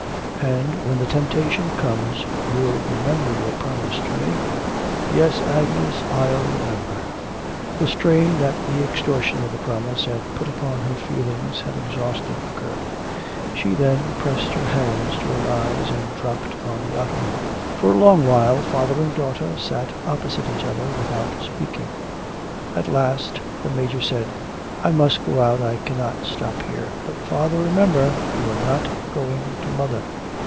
'And when the temptation comes you'll remember your promise to me?' 'Yes, Agnes, I'll remember.' The strain that the extortion of the promise had put upon her feelings had exhausted the girl; she then pressed her hands to her eyes and dropped on the ottoman. For a long while father and daughter sat opposite each other without speaking. At last the Major said: 'I must go out; I cannot stop here.' 'But, father, remember... you are not going to mother.'